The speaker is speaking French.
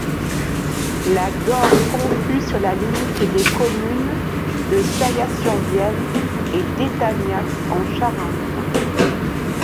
La Gorre conflue sur la limite des communes de Saillat-sur-Vienne et d'Étagnac en Charente.